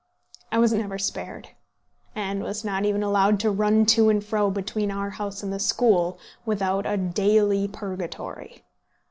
I was never spared; and was not even allowed to run to and fro between our house and the school without a daily purgatory.